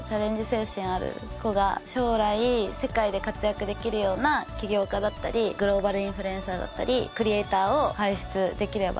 精神ある子が将来世界で活躍できるような起業家だったりグローバルインフルエンサーだったりクリエイターを輩出できればなと。